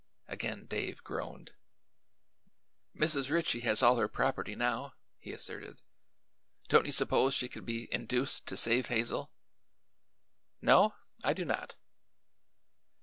Again Dave groaned. "Mrs. Ritchie has all her property now," he asserted. "Don't you suppose she could be induced to save Hazel?" "No; I do not."